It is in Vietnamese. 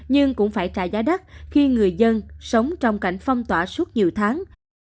nhưng cũng phải trả giá đắt khi người dân sống trong cảnh phong tỏa suốt nhiều tháng